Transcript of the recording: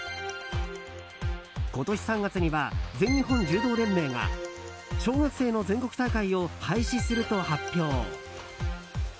今年３月には全日本柔道連盟が小学生の全国大会を廃止すると発表。